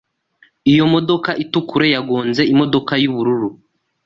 Iyo modoka itukura yagonze imodoka yubururu.